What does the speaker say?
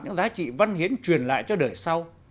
những giá trị văn hiến truyền lại cho đời sau